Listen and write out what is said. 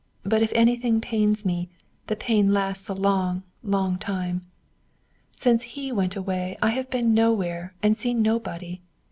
But if anything pains me, the pain lasts a long, long time. Since he went away I have been nowhere, and seen nobody.